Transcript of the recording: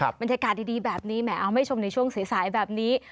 บรรยากาศดีแบบนี้แหมเอาให้ชมในช่วงสายแบบนี้